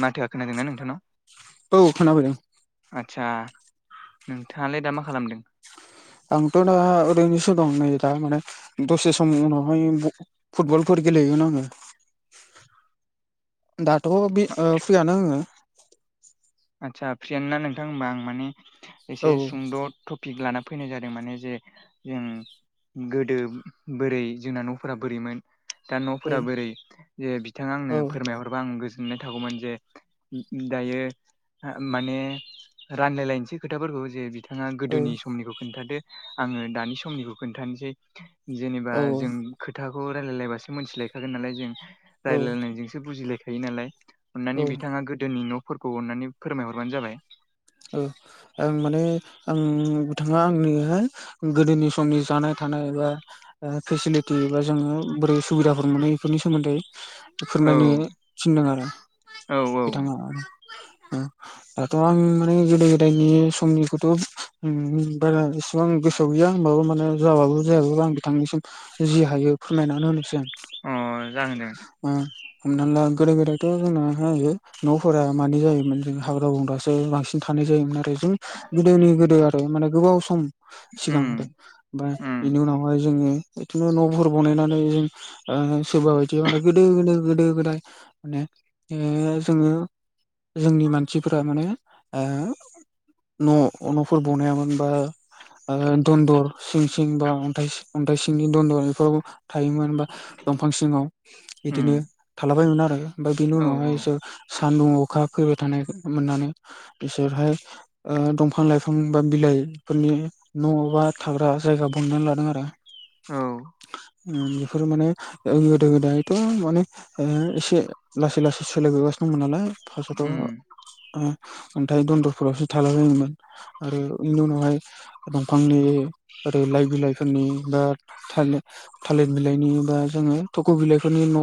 माथोआ खोनादोंना नोंथांनाव? औ खोनाफैदों आदसा नोंथाङालाय दा मा खालामदों? आंथ' दा ओरैनोसो दं नै दा माने दसे समनि उनावहाय ब फुटबलफोर गेलेहैगोन आङो। दाथ' बे ओ फ्रियानो आङो आदसा फ्रिआनो ना नोंथां होनबा आं माने औ एसे सुंद' थ पिक लाना फैनाय जादों माने जे जों गोदो बोरै जोंना न'फोरा बोरैमोन दा औ न'फोरा बोरै जे बिथाङा आंनो औ फोरमायहरबा आं गोज जोनाय थागौमोन जे दायो हा माने रानलायलायनोसै खोथाफोरखौ जे बिथाङा गोदोनि समनिखौ खोन्थादो आङो दानि समनिखौ खोन्थानोसै जेनेबा औ जों खोथाखौ रायजलायलायबासो मिथिलायखागोन नालाय जों औ रायलायनायजोंसो बुजिलायखायो नालाय अननानै औ बिथाङा गोदोनि न'फोरखौ अननानै फोरमायहरबानो जाबाय ओ आं माने आं बिथाङा आंनोहाय गोदोनि समनि जानाय थानाय बा ओ फेसिलिटि एबा जोङो बोरै सुबिदाफोर मोनो बेफोरनि सोमोन्दै औ फोरमायनो थिनदों आरो औ औ बिथाङा ओ उम दाथ' आं गोदो गोदायनि समनिखौथ' ओम बारा एसेबां गोसोआव गैया होमबाबो माने जाबाबो जायाबो आं बिथांनिसिम जि हायो फोरमायनानै होनोसै आं अ जागोन दे उम हमनानैला गोदो गोदायथ' जोंना होयो न'फोरा मानि जायोमोन जों हाग्रा बंग्रासो बांसिन थानाय जायोमोन आरो जों गोदोनि गोदो आरो माने गोबाव सम सिगां उम आरो ओमफ्राय उम बेनि उनावहाय जोङो बिदिनो न'फोर बनायनानै जों ओ सोरबा बायदि माने गोदो गोदो गोदो गोदाय माने ओ जोङो जोंनि मानसिफोरा माने ओ न' न'फोर बनायामोन बा दन्दर सिं सिं बा अन्थाय अन्थाइ सिंनि दन्दर बेफोरावबो थायोमोन बा दंफां सिङाव उम बिदिनो थालाबायोमोन आरो ओमफ्राय बिनि औ उनावहाय बिसोर सानदुं अखा फैबाय थानाय मोननानै बिसोरहाय ओ दंफां लाइफां बा बिलाइफोरनि न'बा थाग्रा जायगा बुंनानै लादों आरो औ ओ बेफोर माने गोदो गोदायथ' माने एसे लासै लासै सोलायबोगासिनो दंमोन नालाय उम फार्स्टआवथ' अन्थाइ दन्दरफोरावसो थाला बायोमोन आरो बेनि उनावहाय दंफांनि ओरै लाइ बिलाइफोरनि बा थालिर थालिर बिलाइनि बा जोङो थख' बिलाइफोरनि न'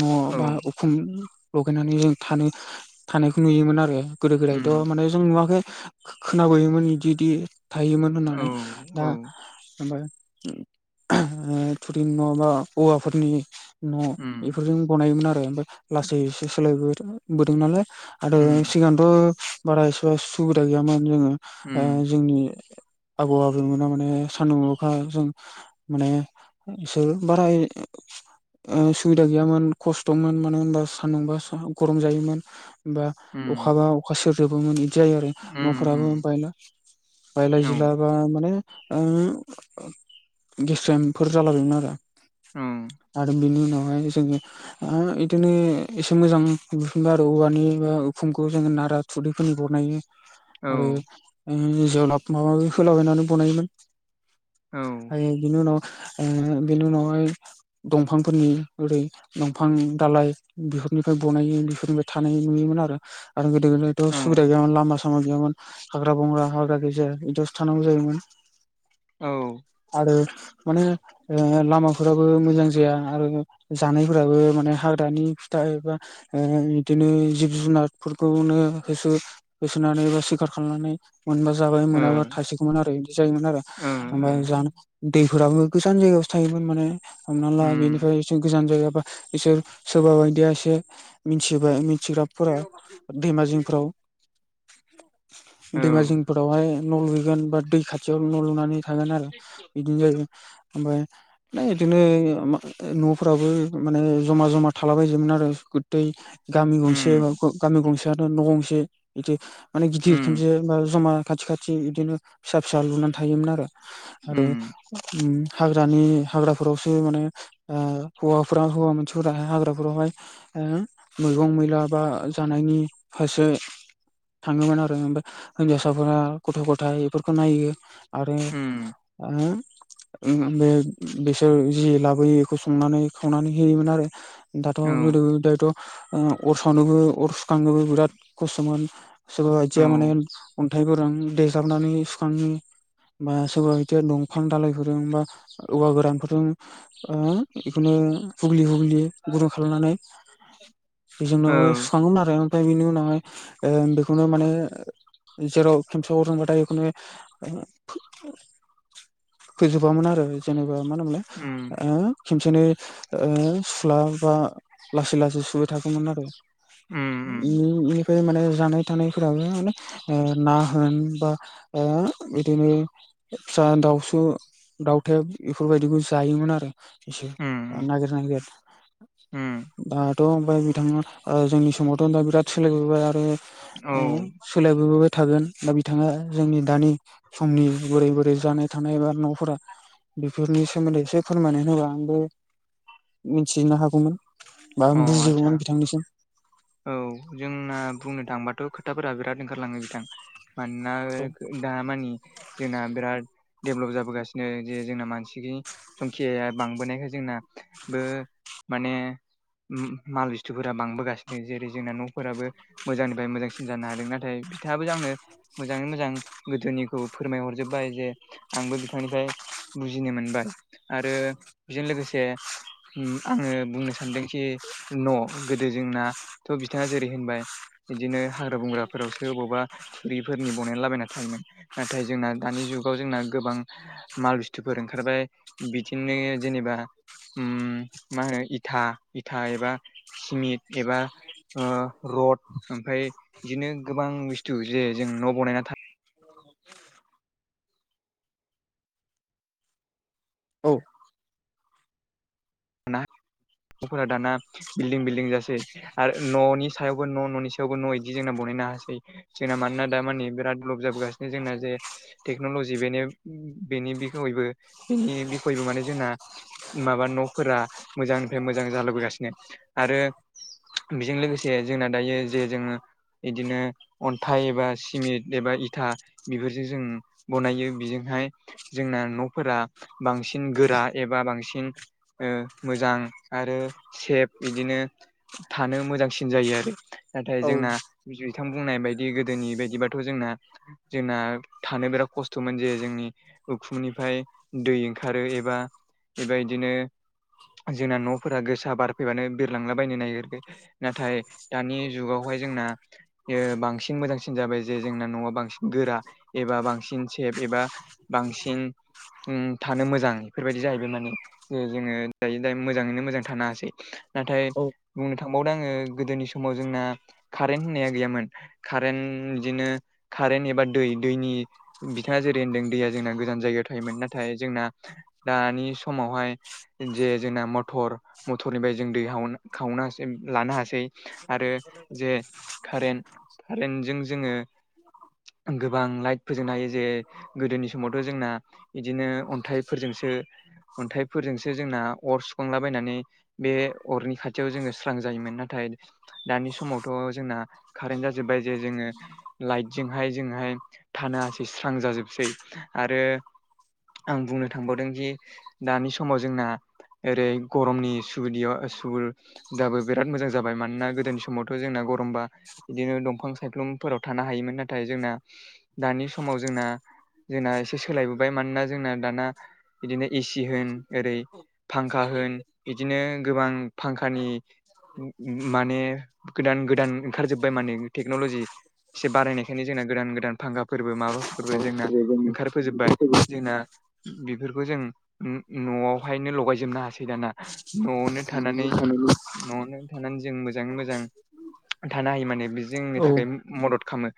न' औ बा खुम लगायनानै जों थानो थानायखौ नुयोमोन आरो गोदो गोदायथ' उम माने जों नुवाखै खोनाबोयोमोन बिदिदि थायोमोन औ होननानै दा औ ओमफाय थुरिनि न' बा औवाफोरनि न' उम बेफोरजों बनायोमोन आरो ओमफ्राय लासै सोलायबोदों नालाय आरो उम सिगां बो बारा एसेबा सुबिदा गैयामोन जोङो उम जोंनि आबौ आबैमोना माने सान्दुं अखाजों माने इसोर बाराय सुबिदा गैयामोन खस्थ'मोन मानो होनबा सान्दुंबा गरम जायोमोन हबा उम अखाबा अखा सेरजोबोमोन बिदि जायो आरो न'फोराबो उम बायला बायला जिला मा माने गेस्रमफोर जालाबायमोन आरो उम आरो बिनि उनावहाय जोङो बिदिनो एसे मोजां बिफुनबाय आरो औवानि बा फुंखौ जोङो नारा थुरिफोरनि बनायो औ आरो जोलाब माबा माबि होलाबायनानै बनायोमोन आरो बेनि उनाव बेनि उनावहाय दंफांफोरनि ओरै दंफां दालाइ बेफोरनिफ्राय बनायो बेफोरनिफ्राय थानाय नुयोमोन आरो आरो गोदो औ गोदायथ' सुबिदा गैयामोन लामा सा मा गैयामोन हाग्रा बंग्रा हाग्रा गेजेर बिदि थानांगौ जायोमोन औ ओ आरो माने लामाफोराबो मोजां जाया आरो जानायफोराबो माने हाग्रानि फिथाय एबा बिदिनो जिब जुनार फोरखौनो होसो होसोनानै बा सिखार खालामनानै मोनबा जाबाय मोनाबा थासिगौमोन आरो बिदि जायोमोन आरो ओ ओमफ्राय जा दैफोराबो गोजान जायगायावसो थायोमोन माने हमना ला बेनिफ्राय बि गोजान जायगा बिसोर सोरबा बायदिया एसे मिथिबाय मिथिग्राफोरा दैमा उम जिंफ्राव औ दैमा उम जिंफोरावहाय न' लुगोन बा दै खाथियाव न' लुनानै थागोन आरो बिदिनो जायो ओमफाय बिदिनो न'फोराबो माने जमा जमा थालाबायजोमोन आरो दै गामि गंसे गामि गंसेआथ' न' गंसे बिदि माने गिदिर उम खबसे बा जमा खाथि खाथि बिदिनो फिसा फिसा लुनानै थायोमोन आरो आरो उम हाग्रानि हाग्राफोरावसो माने हौवाफोरा हौवा मानसिफोरा हाग्राफोरावहाय मैगं मैला बा जानायनि फारसे थाङोमोन आरो ओमफाय हिनजावसाफोरा गथ' गथाइ बेफोरखौ नायो आरो उम ओ उम बिसोर जि लाबोयो बेखौ संनानै खावनानै होयोमोन आरो दाथ' औ गोदो गोदायथ' अर सावनोबो अर सुखांनोबो बिराद खस्थ'मोन सोरबा औ बायदिया माने अन्थाइ गोरां देेजाबनानै सुखांनि बा सोरबा बिदि दंफां दालाइफोरजों बा औवा गोरानफोरजों उम बेखौनो हुग्लि हुग्लि गदुं खालामनानै औ बेजोंनोआव आरो ओमफ्राय बिनि उनावहाय ओं बेखौनो माने जेराव खमसेयाव रोंबाथाय एखुनो फोजोबामोन आरो जेनेबा मा उम होनोमोनलाय ओ खेबसोनो ओ सुला बा लासै लासै सुबाय थागौमोन आरो उम निफ्राय माने जानाय थानायफोराबो माने ओ ना होन बा ओ बिदिनो फिसा दाउसु दाउथेब बेफोरबायदिखौ जायोमोन आरो इसे उम नागिर नागिर उम दाथ' ओमफ्राय बिथाङा ओ जोंनि समावथ' दा बिराद सोलायबोबाय आरो औ ओ सोलायबोबाय थागोन दा बिथाङा जोंनि दानि समनि बोरै बोरै जानाय थानाय बा न'फोरा बेफोरनि सोमोन्दै एसे फोरमायनानै होबा आंबो मिथिनो हागौमोन अ माबा आदसा बुजिगौमोन बिथांनिसिम औ जोंना बुंनो थाङोबाथ' खोथाफोरा बिराद ओंखारलाङो बिथां मानोना औ दा मानि जोंना बिराद देभेलप जाबोगासिनो जे जोंना मानसि संखियाया बांबोनायखाय जोंनाबो माने माल बस्थुफोरा बांबोगासिनो जेरै जोंना न'फोराबो मोजांनिफ्राय मोजांसिन जानो हादों नाथाय बिथाङाबो आंनो मोजाङै मोजां गोदोनिखौ फोरमायहरजोब्बाय जे आंबो बिथांनिफ्राय बुजिनो मोनबाय आरो बेजों लोगोसे उम आङो बुंनो सानदोंखि न' गोदो जोंना थ' बिथाङा जेरै होनबाय बिदिनो हाग्रा बंग्राफोरावसो बबावबा थुरिफोरनि बनायना लाबायना थायोमोन नाथाय जोंना दानि जुगाव जोंना गोबां माल बुस्थुफोर ओंखारबाय बिदिनो जेनेबा उम मा होनो इथा इथा एबा सिमिट एबा ओ रड ओमफ्राय बिदिनो गोबां बुस्थु जे जों न' बनायना था [inaudible] औ ना न'फोरा दाना बिल्डिं बिल्डिं जासै आरो न'नि सायावबो न' न'नि सायावबो न' बिदि जोंना बनायनो हासै जोंना मानोना दा मानि‌ बिराद डेभेलप जाबोगासिनो जोंना जे टेक्न'लजि बेनो बेनि बिखयैबो बेनि बिखयैबो माने जोंना माबा न' फोरा मोजांनिफ्राय मोजां जालोबोगासिनो आरो बेजों लोगोसे जोंना दायो जे जोङो बिदिनो अन्थाइ एबा सिमिट एबा इथा बेफोरजों जों बनायो बेजोंहाय जोंना न'फोरा बांसिन गोरा एबा बांसिन ओ मोजां आरो सेफ बिदिनो थानो मोजांसिन जायो आरो नाथाय औ जोंना बिथां बुंनाय बायदि गोदोनि बायदिबाथ' जोंना जोंना थानो बिराद खस्थ'मोन जे जोंनि उखुमनिफाय दै ओंखारो एबा बेबायदिनो जोंना न'फोरा गोसा बारफैबानो बिरलांला बायनो नागिरो नाथाय दानि जुगावहाय जोंना ओ बांसिन मोजांसिन जाबाय जे जोंना न'आ बांसिन गोरा एबा बांसिन सेब एबा बांसिन उम थानो मोजां बेफोरबायदि जाहैबाय माने जे जोङो दायो-दायो मोजाङैनो मोजां थानो हासै नाथाय औ बुंनो थांबावदों आङो गोदोनि समाव जोंना कारेन्ट होननाया गैयामोन कारेन्ट बिदिनो कारेन्ट एबा दै दैनि बिथाङा जेरै होनदों दैया जोंना गोजान जायगायाव थायोमोन नाथाय जोंना दानि समावहाय जे जोंना मथर मथरनिफ्राय जों दै हाव खावनासै लानो हासै आरो जे कारेन्ट कारेन्टजों जोङो गोबां लाइट फोजोंनो हायो जे गोदोनि समावथ' जोंना बिदिनो अन्थाइफोरजोंसो अन्थाइ फोरजोंसो जोंना अर सुखांलाबायनानै बे अरनि खाथियाव जोङो स्रां जायोमोन नाथाय दानि समावथ' जोंना कारेन्ट जाजोबबाय जे जोङो लाइटजोंहाय जोङोहाय थानो हासै स्रां जाजोबसै आरो आं बुंनो थांबावदों दि दानि समाव जोंना ओरै गरमनि सुबिदा सुर दाबो बिराद मोजां जाबाय मानोना गोदोनि समावथ' जोंना गरमबा बिदिनो दंफां सायख्लुमफोराव थानो हायोमोन नाथाय जोंना दानि समाव जोंना जोंना एसे सोलायबोबाय मानोना जोंना दाना बिदिनो एसि होन ओरै फांखा होन बिदिनो गोबां फांखानि माने गोदान गोदान ओंखारजोबबाय माने टेक्नलजि। एसे बारायनायखायनो जोंना गोदान गोदान फांखाफोरबो माबाफोरबो जोंना ओंखार फोजोबबाय जोंना बेफोरखौ जों न'आवहायनो लगायजोबनो हासै दाना न'आवनो थानानै न'आवनो थानानै जों मोजाङै मोजां थानो हायो माने बे जोंनि थाखाय मदद खामो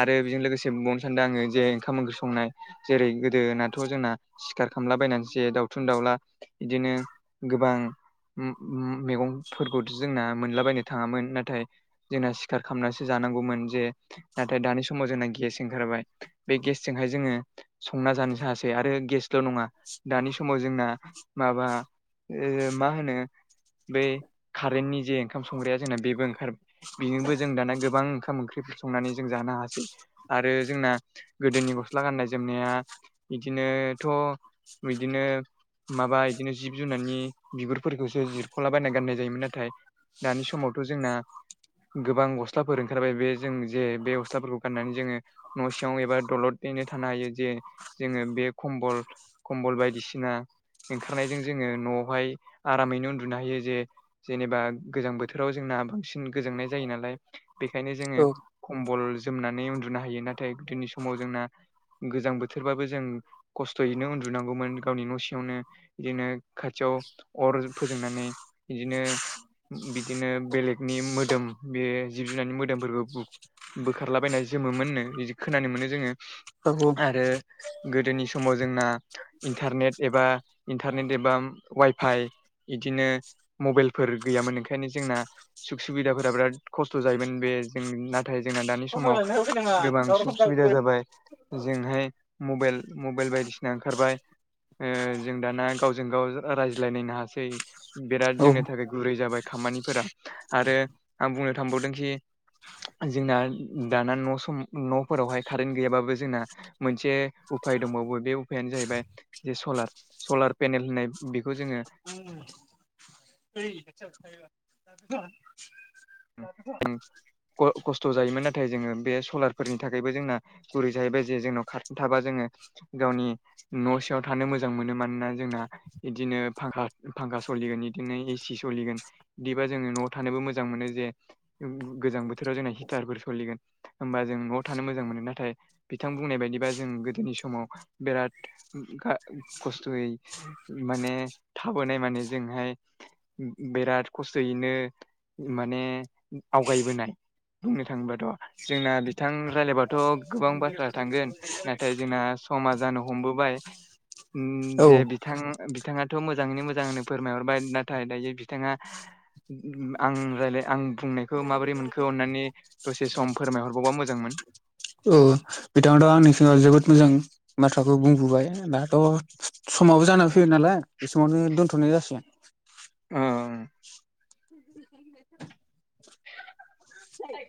आरो बेजों लोगोसे बुंबावनो सानदों आङो जे ओंखाम ओंख्रि संनाय जेरै गोदोनाथ' जोंना सिखार खामलाबायनानैसो दाउ थुन दावला बिदिनो गोबां मैगंफोरखौथ' जोंना मोनलाबायनो थाङामोन नाथाय जोंना सिखार खामनासो जानांगौमोन जे नाथाय दानि समाव जोंना गेस ओंखारबाय बे गेसजोंहाय जोङो संना जानो हासै आरो गेसल' नङा दानि समाव जोंना माबा ओ मा होनो बै कारेन्टनि जे ओंखाम संग्राया जोंना बेबो ओंखार बेजोंबो जों दाना गोबां ओंखाम ओंख्रिफोर संनानै जों जानो हासै। आरो जोंना गोदोनि गस्ला गाननाय जोमनाया इदिनोथ' बिदिनो माबा इदिनो जिब जुनारनि बिगुरफोरखौसो जिरख'लाबायना गाननाय जायोमोन नाथाय दानि समावथ' जोंना गोबां गस्लाफोर ओंखारबाय बे जों जे बे गस्लाफोरखौ गाननानै जोङो न' सिङाव एबा दलदयैनो थानो हायो जे जोङो बे खम्बल खम्बल बाय दिसिना ओंखारनायजों जोङो न'आवहाय आरामैनो उन्दुनो हायो जे जेनेबा गोजां बोथोराव जोंना बांसिन गोजांनाय जायो नालाय बेखायनो जोङो औ खम्बल जोमनानै उन्दुनो हायो नाथाय गोदोनि समाव जोंना गोजां बोथोरबाबो जों खस्थ'यैनो उन्दुनांगौमोन। गावनि न' सिङावनो बिदिनो खाथियाव अर फोजोंनानै बिदिनो बिदिनो बेलेगनि मोदोम बे जिब जुनारनि मोदोमफोरखौ बोखारलाबायना जोमोमोननो बिदि खोनानो मोनो जोङो। [unintelligible] आरो गोदोनि समाव जोंना इन्टारनेट एबा इन्टारनेट एबा वाइफाइ बिदिनो मबाइलफोर गैयामोन ओंखायनो जोंना सुख सुबिदाफोरा बिराद खस्थ' जायोमोन बे जों नाथाय जोंना दानि समाव गोबां सुख सुबिदा जाबाय। जोंहाय मबाइल मबाइल बायदिसिना ओंखारबाय ओ जों दाना गावजों गाव रायज्लायनायनो हासै बिराद जोंनि थाखाय गुरै जाबाय खामानिफोरा आरो आं बुंनो थांबावदोंखि जोंना दाना न' सम न'फोरावहाय कारेन्ट गैयाबाबो जोंना मोनसे उफाय दंबावो बे उफायानो जाहैबाय जे सलार सलार पेनेल होननाय बेखौ जोङो [unintelligible] [unintelligible] ख' खस्थ' जायोमोन नाथाय जोङो बे सलारफोरनि थाखायबो जोंना गुरै जाहैबाय जे जोंनाव कारेन्ट थाबा जोङो गावनि न' सिङाव थानो मोजां मोनो मानोना जोंना बिदिनो फांखा फांखा सोलिगोन बिदिनो एसि सोलिगोन। बिदिबा जोङो न'आव थानोबो मोजां मोनो जे गोजां बोथोराव जोंना हिटारफोर सोलिगोन। होमबा जों न'आव थानो मोजां मोनो नाथाय बिथां बुंनाय बायदिबा जों गोदोनि समाव बिराद खस्थ'यै माने थाबोनाय माने जोंहाय बेराद खस्थ'यैनो म आवगायबोनाय बुंनो थाङोबाथ' जोंना बिथां रायायब थ' गोबां बाथ्रा थांगोन नाथाय जोंना समा जानो हमबोबाय औ जे बिथ बिथाङाथ' मोजाङैनो मोजांनो फोरमायहरबाय नाथाय दायो बिथाङा आं राय्लाय आं बुंनायखौ माबोरै मोनखो अन्नानै दसे सम फोरमायहरबावबा मोजांमोन औ बिथाङथ' आंनिसिाव जोबोद मोजां बाथ्राखौ बुंबोबाय दाथ' समावबो जाना फैयो नालाय बे समावनो दोन्थ'नाय जासिगोन अ [unintelligible] आ